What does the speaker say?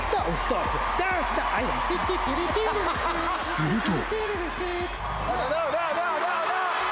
［すると］